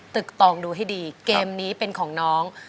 ตึกตองดูให้ดีเกมนี้เป็นของน้อง